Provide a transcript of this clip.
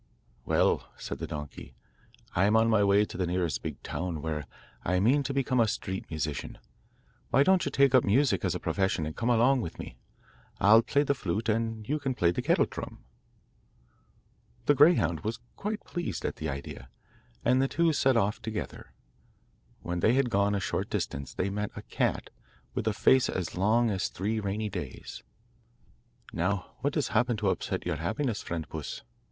'Well,' said the donkey, 'I am on my way to the nearest big town, where I mean to become a street musician. Why don't you take up music as a profession and come along with me? I'll play the flute and you can play the kettle drum.' The greyhound was quite pleased at the idea, and the two set off together. When they had gone a short distance they met a cat with a face as long as three rainy days. 'Now, what has happened to upset your happiness, friend puss?